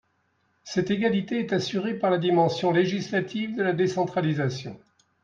Cette égalité est assurée par la dimension législative de la décentralisation.